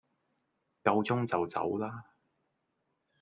夠鐘就走啦!